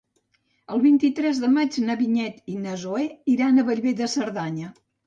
El vint-i-tres de maig na Vinyet i na Zoè iran a Bellver de Cerdanya.